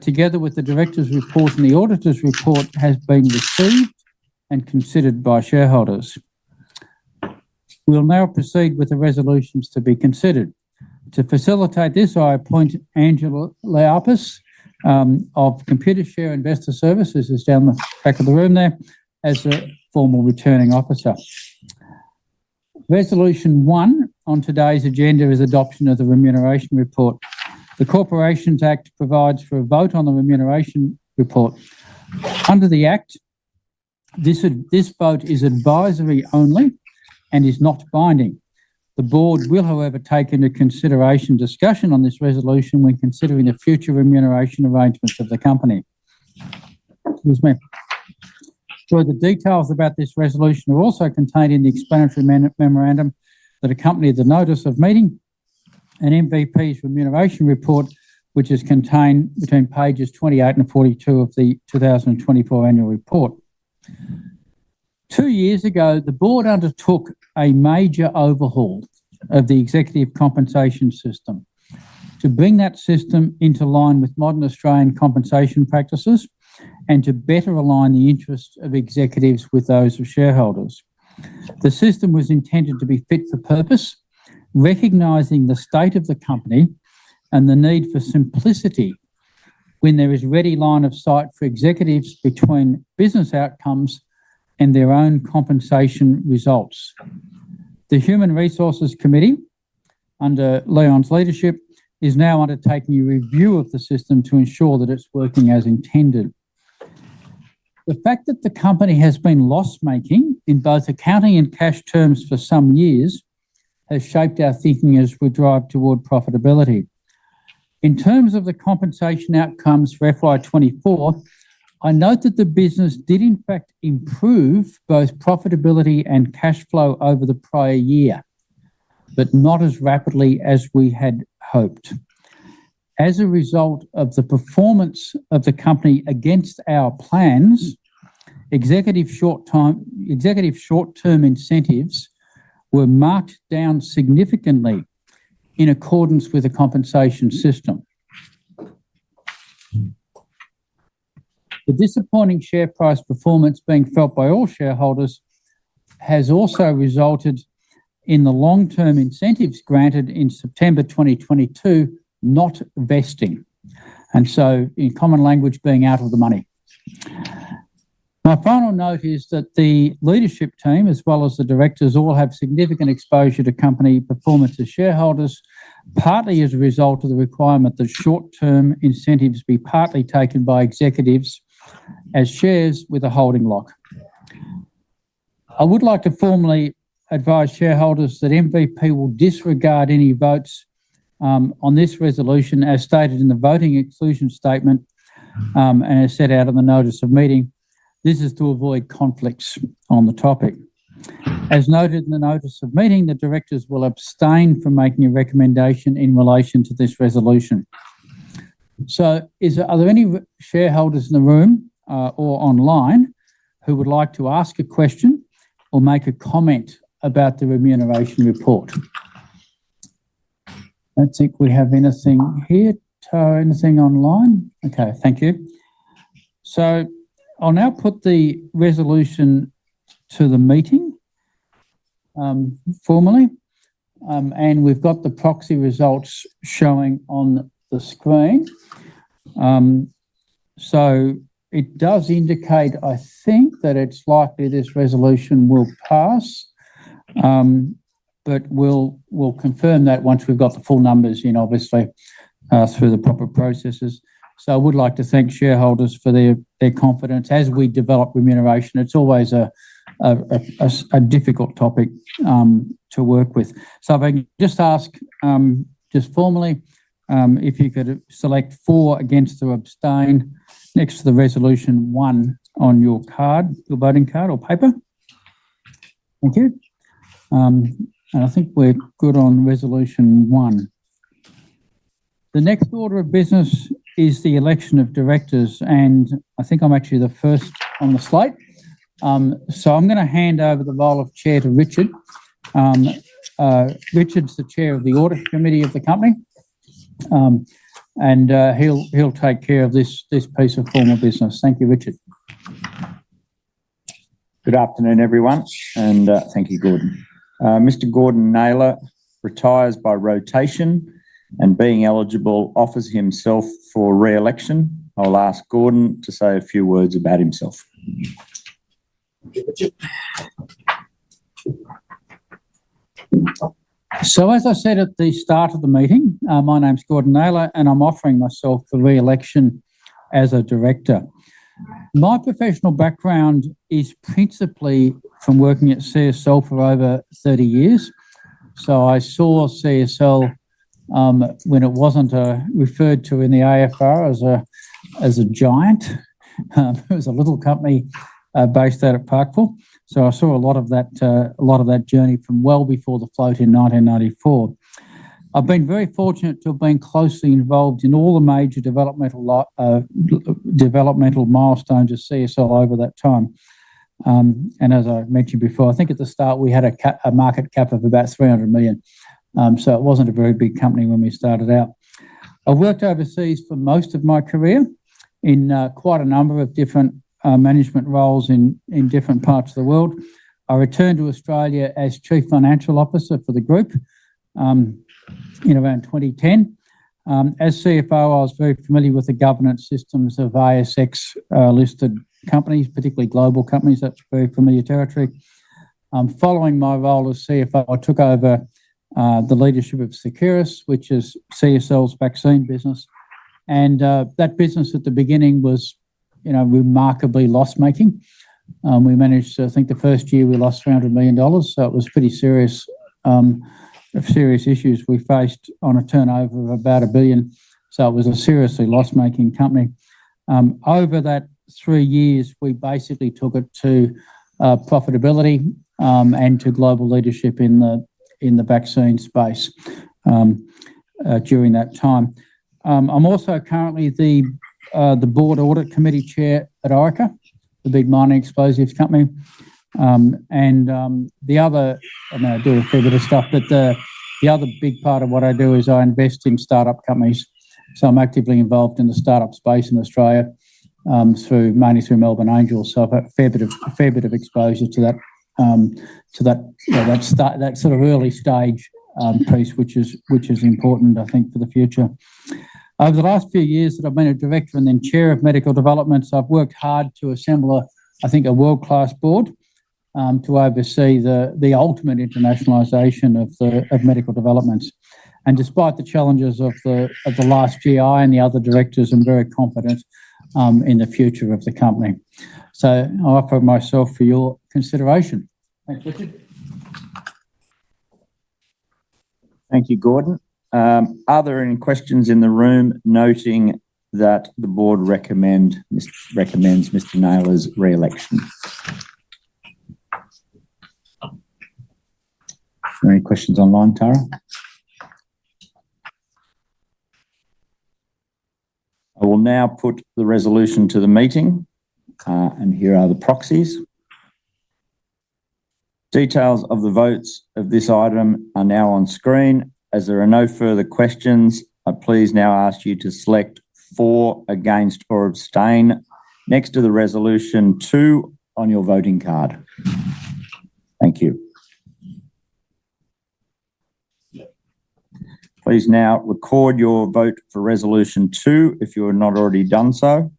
together with the directors' report and the auditors' report, has been received and considered by shareholders. We'll now proceed with the resolutions to be considered. To facilitate this, I appoint Angela Leapis, of Computershare Investor Services, who's down the back of the room there, as the formal Returning Officer. Resolution 1 on today's agenda is adoption of the remuneration report. The Corporations Act provides for a vote on the remuneration report. Under the Act, this vote is advisory only and is not binding. The board will, however, take into consideration discussion on this resolution when considering the future remuneration arrangements of the company. Excuse me. The details about this resolution are also contained in the explanatory memorandum that accompanied the notice of meeting and MVP's remuneration report, which is contained between pages 28 and 42 of the 2024 annual report. Two years ago, the board undertook a major overhaul of the executive compensation system to bring that system into line with modern Australian compensation practices and to better align the interests of executives with those of shareholders. The system was intended to be fit for purpose, recognizing the state of the company and the need for simplicity when there is ready line of sight for executives between business outcomes and their own compensation results. The Human Resources Committee, under Leon's leadership, is now undertaking a review of the system to ensure that it's working as intended. The fact that the company has been loss-making in both accounting and cash terms for some years has shaped our thinking as we drive toward profitability. In terms of the compensation outcomes for FY 2024, I note that the business did in fact improve both profitability and cash flow over the prior year, but not as rapidly as we had hoped. As a result of the performance of the company against our plans, executive short-term incentives were marked down significantly in accordance with the compensation system. The disappointing share price performance being felt by all shareholders has also resulted in the long-term incentives granted in September 2022, not vesting, and so in common language, being out of the money. My final note is that the leadership team, as well as the directors, all have significant exposure to company performance as shareholders, partly as a result of the requirement that short-term incentives be partly taken by executives as shares with a holding lock. I would like to formally advise shareholders that MVP will disregard any votes on this resolution, as stated in the voting exclusion statement, and as set out in the notice of meeting. This is to avoid conflicts on the topic. As noted in the notice of meeting, the directors will abstain from making a recommendation in relation to this resolution. Are there any shareholders in the room or online who would like to ask a question or make a comment about the remuneration report? I don't think we have anything here. Tara, anything online? Okay, thank you. I'll now put the resolution to the meeting, formally, and we've got the proxy results showing on the screen. It does indicate, I think, that it's likely this resolution will pass. We'll, we'll confirm that once we've got the full numbers in, obviously, through the proper processes. I would like to thank shareholders for their, their confidence. As we develop remuneration, it's always a difficult topic to work with. If I can just ask, just formally, if you could select for, against, or abstain next to the Resolution 1 on your card, your voting card or paper. Thank you. I think we're good on Resolution 1. The next order of business is the election of directors, and I think I'm actually the first on the slate. I'm gonna hand over the role of Chair to Richard. Richard's the Chair of the Audit Committee of the company, he'll, he'll take care of this, this piece of formal business. Thank you, Richard. Good afternoon, everyone, and thank you, Gordon. Mr. Gordon Naylor retires by rotation, and being eligible, offers himself for re-election. I'll ask Gordon to say a few words about himself. As I said at the start of the meeting, my name's Gordon Naylor, and I'm offering myself for re-election as a director. My professional background is principally from working at CSL for over 30 years. I saw CSL when it wasn't referred to in the AFR as a, as a giant. It was a little company, based out of Parkville, so I saw a lot of that, a lot of that journey from well before the float in 1994. I've been very fortunate to have been closely involved in all the major developmental milestones of CSL over that time. And as I mentioned before, I think at the start we had a market cap of about 300 million. It wasn't a very big company when we started out. I worked overseas for most of my career in, quite a number of different, management roles in, in different parts of the world. I returned to Australia as Chief Financial Officer for the group, in around 2010. As CFO, I was very familiar with the governance systems of ASX listed companies, particularly global companies. That's very familiar territory. Following my role as CFO, I took over the leadership of Seqirus, which is CSL's vaccine business, and that business at the beginning was, you know, remarkably loss-making. We managed. I think the first year we lost 300 million dollars, so it was pretty serious, serious issues we faced on a turnover of about 1 billion. So it was a seriously loss-making company. Over that 3 years, we basically took it to profitability, and to global leadership in the vaccine space during that time. I'm also currently the board audit committee chair at Orica, the big mining explosives company. The other... I know I do a fair bit of stuff, but the other big part of what I do is I invest in start-up companies. I'm actively involved in the start-up space in Australia, mainly through Melbourne Angels. I've a fair bit of exposure to that, to that, that start, that sort of early stage piece, which is important, I think, for the future. Over the last few years that I've been a director and then Chair of Medical Developments, I've worked hard to assemble a, I think, a world-class board to oversee the, the ultimate internationalization of the, of Medical Developments. Despite the challenges of the, of the last year, I and the other directors are very confident in the future of the company. I offer myself for your consideration. Thanks, Richard. Thank you, Gordon. Are there any questions in the room, noting that the board recommend Mr- recommends Mr. Naylor's re-election? Are there any questions online, Tara? I will now put the resolution to the meeting. Here are the proxies. Details of the votes of this item are now on screen. There are no further questions. I please now ask you to select for, against, or abstain next to the Resolution 2 on your voting card. Thank you. Please now record your vote for Resolution 2, if you have not already done so.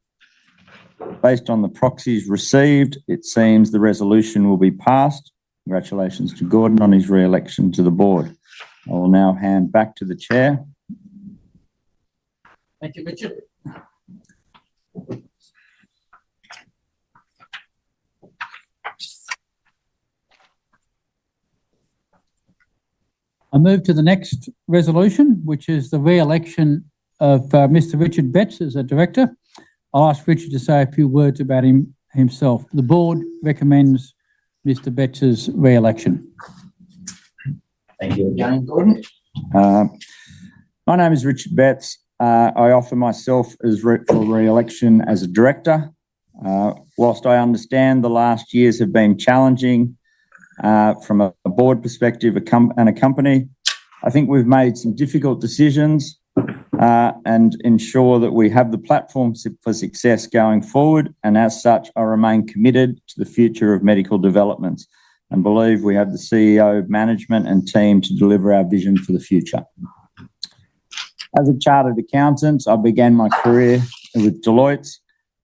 Based on the proxies received, it seems the resolution will be passed. Congratulations to Gordon on his re-election to the board. I will now hand back to the chair. Thank you, Richard. I move to the next resolution, which is the re-election of Mr. Richard Betts as a director. I'll ask Richard to say a few words about him, himself. The board recommends Mr. Betts' re-election. Thank you again, Gordon. My name is Richard Betts. I offer myself for re-election as a director. Whilst I understand the last years have been challenging, from a board perspective, and a company. I think we've made some difficult decisions, and ensure that we have the platform for success going forward, and as such, I remain committed to the future of Medical Developments and believe we have the CEO, management, and team to deliver our vision for the future. As a chartered accountant, I began my career with Deloitte.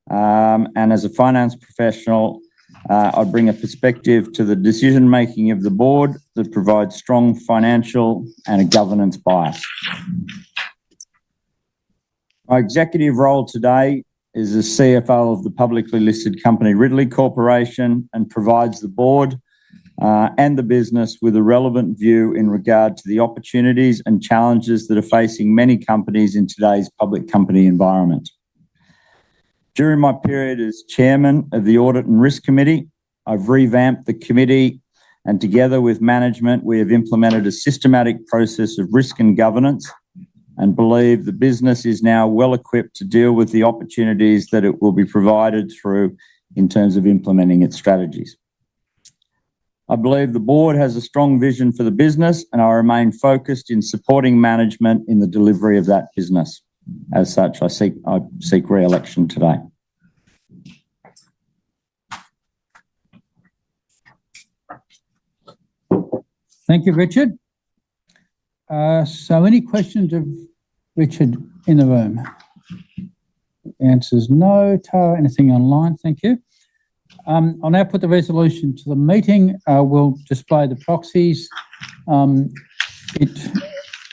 And as a finance professional, I bring a perspective to the decision-making of the board that provides strong financial and a governance bias. My executive role today is the CFO of the publicly listed company, Ridley Corporation, and provides the board and the business with a relevant view in regard to the opportunities and challenges that are facing many companies in today's public company environment. During my period as chairman of the Audit and Risk Committee, I've revamped the committee, and together with management, we have implemented a systematic process of risk and governance, and believe the business is now well-equipped to deal with the opportunities that it will be provided through in terms of implementing its strategies. I believe the board has a strong vision for the business, and I remain focused in supporting management in the delivery of that business. As such, I seek, I seek re-election today. Thank you, Richard. Any questions of Richard in the room? The answer's no. Tara, anything online? Thank you. I'll now put the resolution to the meeting. We'll display the proxies.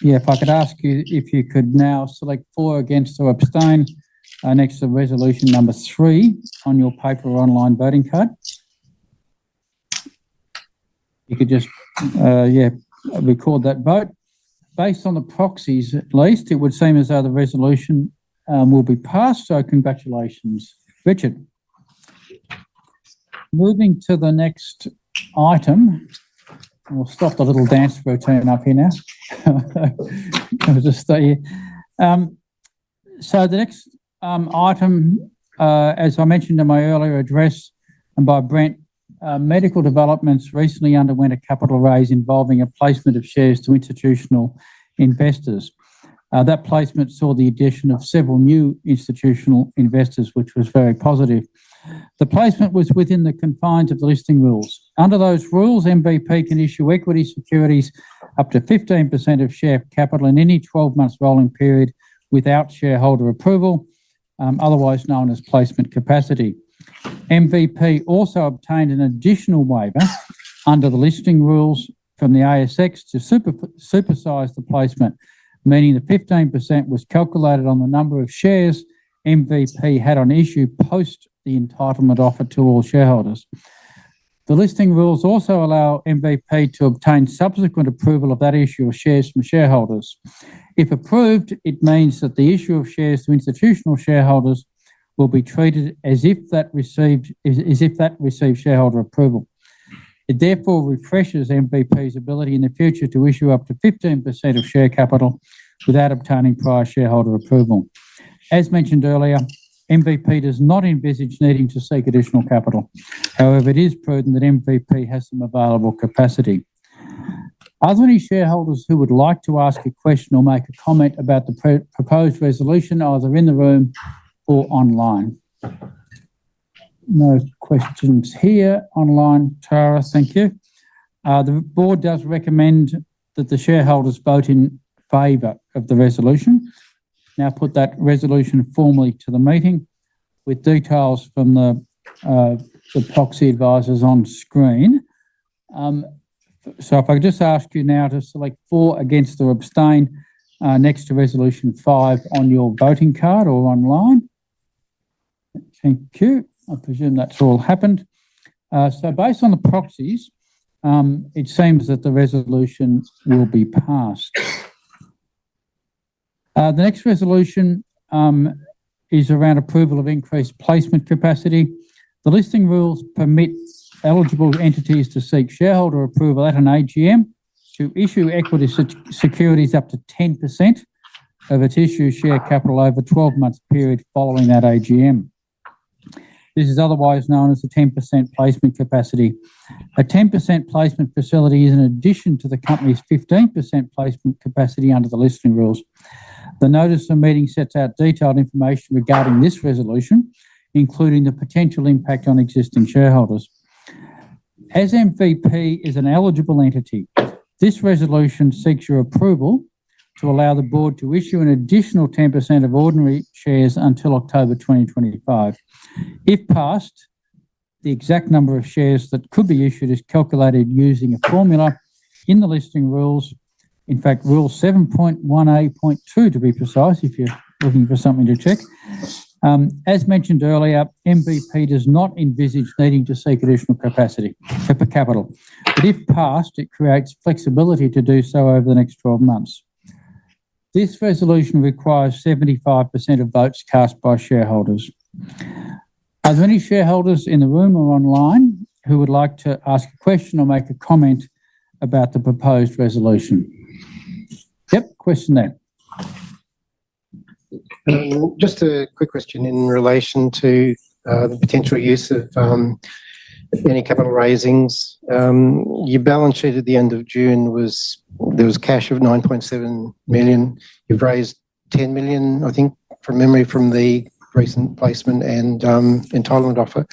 If I could ask you if you could now select for or against or abstain next to resolution number three on your paper or online voting card. If you could just record that vote. Based on the proxies, at least, it would seem as though the resolution will be passed, so congratulations, Richard. Moving to the next item. We'll stop the little dance rotating up here now. Let me just stay here. The next item, as I mentioned in my earlier address, and by Brent, Medical Developments International recently underwent a capital raise involving a placement of shares to institutional investors. That placement saw the addition of several new institutional investors, which was very positive. The placement was within the confines of the listing rules. Under those rules, MVP can issue equity securities up to 15% of share capital in any 12-months rolling period without shareholder approval, otherwise known as placement capacity. MVP also obtained an additional waiver under the listing rules from the ASX to supersize the placement, meaning the 15% was calculated on the number of shares MVP had on issue post the entitlement offer to all shareholders. The listing rules also allow MVP to obtain subsequent approval of that issue of shares from shareholders. If approved, it means that the issue of shares to institutional shareholders will be treated as if that received shareholder approval. It therefore refreshes MVP's ability in the future to issue up to 15% of share capital without obtaining prior shareholder approval. As mentioned earlier, MVP does not envisage needing to seek additional capital. However, it is prudent that MVP has some available capacity. Are there any shareholders who would like to ask a question or make a comment about the proposed resolution, either in the room or online? No questions here. Online, Tara, thank you. The board does recommend that the shareholders vote in favor of the resolution. Now, put that resolution formally to the meeting with details from the proxy advisors on screen. So if I could just ask you now to select for, against, or abstain, next to Resolution 5 on your voting card or online. Thank you. I presume that's all happened. Based on the proxies, it seems that the resolution will be passed. The next resolution is around approval of increased placement capacity. The Listing Rules permit eligible entities to seek shareholder approval at an AGM to issue equity securities up to 10% of its issue share capital over a 12-months period following that AGM. This is otherwise known as the 10% placement capacity. A 10% placement facility is in addition to the company's 15% placement capacity under the Listing Rules. The notice of meeting sets out detailed information regarding this resolution, including the potential impact on existing shareholders. As MVP is an eligible entity, this resolution seeks your approval to allow the board to issue an additional 10% of ordinary shares until October 2025. If passed, the exact number of shares that could be issued is calculated using a formula in the listing rules. In fact, Listing Rule 7.1A.2, to be precise, if you're looking for something to check. As mentioned earlier, MVP does not envisage needing to seek additional capacity, capital, but if passed, it creates flexibility to do so over the next 12 months. This resolution requires 75% of votes cast by shareholders. Are there any shareholders in the room or online who would like to ask a question or make a comment about the proposed resolution? Yep, question there. Just a quick question in relation to the potential use of any capital raisings. Your balance sheet at the end of June was, there was cash of 9.7 million. You've raised 10 million, I think, from memory, from the recent placement and entitlement offer.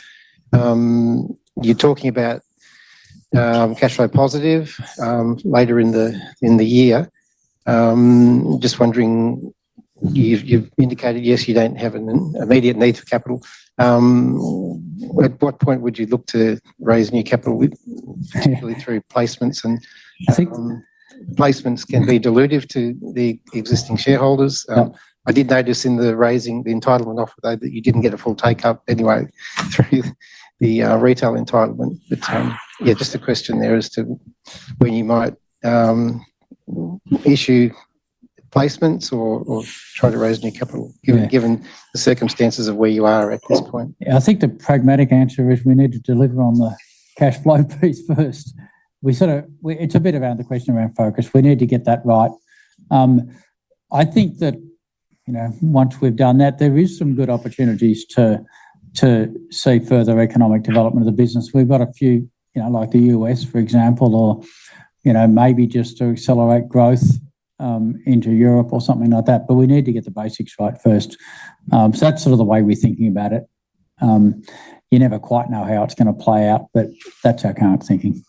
You're talking about cash flow positive later in the year. Just wondering, you've, you've indicated, yes, you don't have an immediate need for capital. At what point would you look to raise new capital, particularly through placements? Placements can be dilutive to the existing shareholders. Yep. I did notice in the raising, the entitlement offer, though, that you didn't get a full take-up anyway through the retail entitlement the time. Just a question there as to when you might issue placements or try to raise new capital, given, given the circumstances of where you are at this point? I think the pragmatic answer is we need to deliver on the cash flow piece first. It's a bit around the question around focus. We need to get that right. I think that, you know, once we've done that, there is some good opportunities to, to see further economic development of the business. We've got a few, you know, like the U.S., for example, or, you know, maybe just to accelerate growth into Europe or something like that, but we need to get the basics right first. That's sort of the way we're thinking about it. You never quite know how it's gonna play out, but that's our current thinking.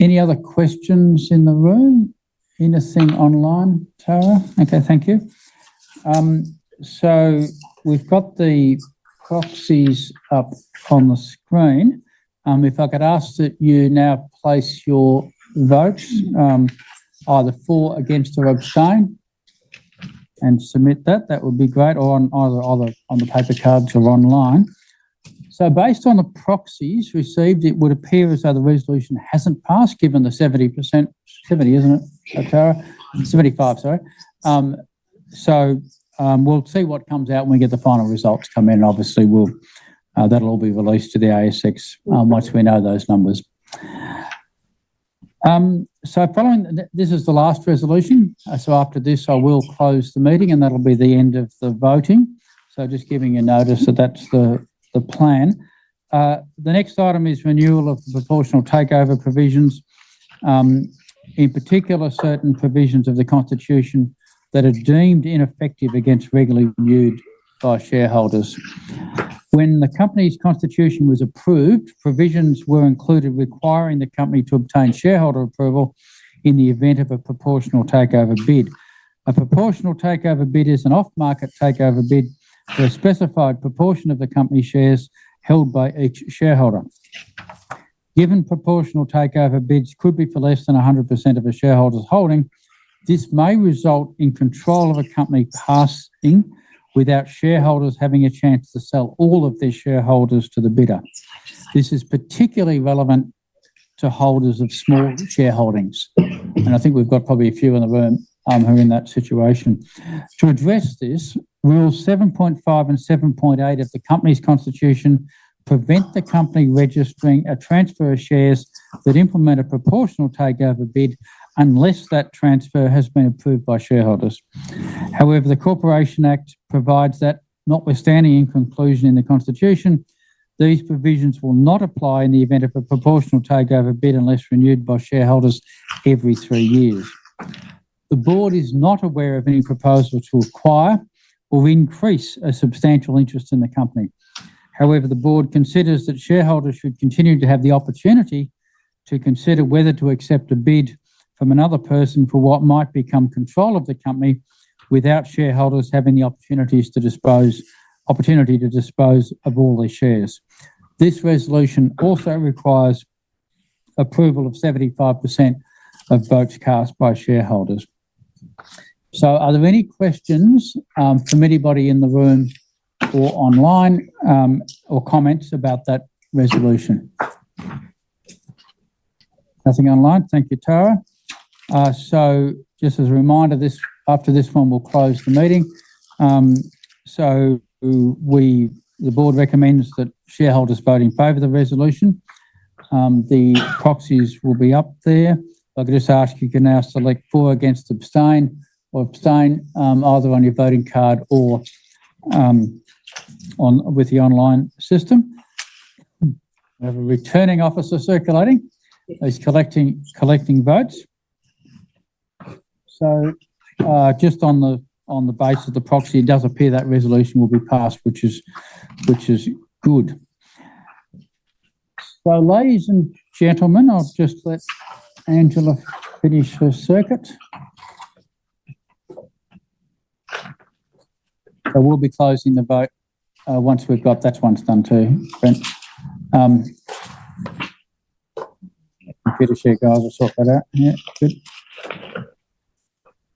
Any other questions in the room? Anything online, Tara? Okay, thank you. We've got the proxies up on the screen. If I could ask that you now place your votes, either for, against, or abstain, and submit that, that would be great, or on either, either on the paper cards or online. Based on the proxies received, it would appear as though the resolution hasn't passed, given the 70%. 70%, isn't it, Tara? 75%, sorry. We'll see what comes out when we get the final results come in, and obviously, we'll that'll all be released to the ASX once we know those numbers. Following... this is the last resolution. After this, I will close the meeting, and that'll be the end of the voting. Just giving you a notice that that's the, the plan. The next item is renewal of the proportional takeover provisions, in particular, certain provisions of the Constitution that are deemed ineffective against regularly renewed by shareholders. When the company's Constitution was approved, provisions were included requiring the company to obtain shareholder approval in the event of a proportional takeover bid. A proportional takeover bid is an off-market takeover bid for a specified proportion of the company shares held by each shareholder. Given proportional takeover bids could be for less than 100% of a shareholder's holding, this may result in control of a company passing without shareholders having a chance to sell all of their shareholders to the bidder. This is particularly relevant to holders of small shareholdings, and I think we've got probably a few in the room who are in that situation. To address this, rules 7.5 and 7.8 of the company's constitution prevent the company registering a transfer of shares that implement a proportional takeover bid, unless that transfer has been approved by shareholders. However, the Corporations Act provides that notwithstanding in conclusion in the Constitution, these provisions will not apply in the event of a proportional takeover bid, unless renewed by shareholders every 3 years. The board is not aware of any proposal to acquire or increase a substantial interest in the company. However, the board considers that shareholders should continue to have the opportunity to consider whether to accept a bid from another person for what might become control of the company without shareholders having the opportunity to dispose of all their shares. This resolution also requires approval of 75% of votes cast by shareholders. Are there any questions from anybody in the room or online, or comments about that resolution? Nothing online. Thank you, Tara. Just as a reminder, this, after this one, we'll close the meeting. The board recommends that shareholders vote in favor of the resolution. The proxies will be up there. I'll just ask, you can now select for, against, abstain, or abstain, either on your voting card or on, with the online system. We have a returning officer circulating. He's collecting, collecting votes. Just on the base of the proxy, it does appear that resolution will be passed, which is, which is good. Ladies and gentlemen, I'll just let Angela finish her circuit. I will be closing the vote once we've got that one done too. Computershare guys will sort that out. Yeah, good.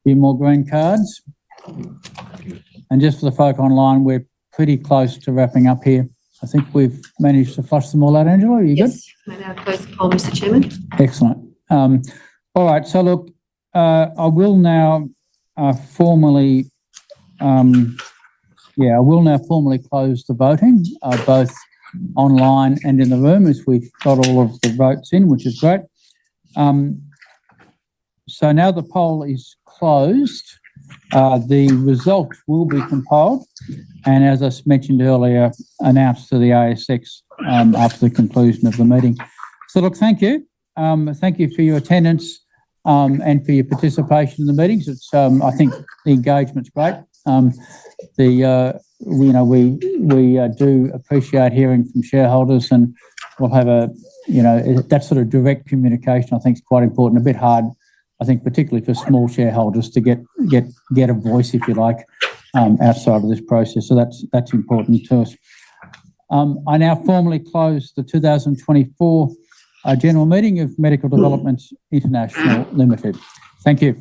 Few more green cards. Just for the folk online, we're pretty close to wrapping up here. I think we've managed to flush them all out. Angela, are you good? Yes, we're now first call, Mr. Chairman. Excellent. All right, look, I will now formally close the voting both online and in the room, as we've got all of the votes in, which is great. Now the poll is closed. The results will be compiled, and as I mentioned earlier, announced to the ASX after the conclusion of the meeting. Look, thank you. Thank you for your attendance and for your participation in the meetings. It's, I think the engagement's great. We do appreciate hearing from shareholders, and we'll have a, you know, that sort of direct communication, I think is quite important. A bit hard, I think, particularly for small shareholders to get, get, get a voice, if you like, outside of this process. That's, that's important to us. I now formally close the 2024 annual meeting of Medical Developments International Limited. Thank you.